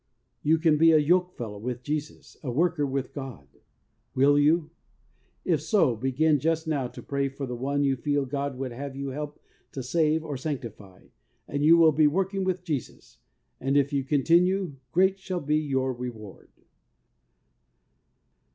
You can be a yoke fellow with Jesus, a worker with God. Will you ? If so, begin just now to pray for the one you feel God would have you help to save or sanctify, and you will be working with Jesus, and if you continue, great shall be your reward.